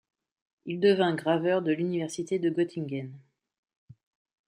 Il devint graveur de l'Université de Göttingen.